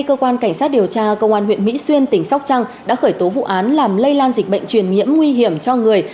công an huyện mỹ xuyên tỉnh sóc trăng đã khởi tố vụ án làm lây lan dịch bệnh truyền nhiễm nguy hiểm cho người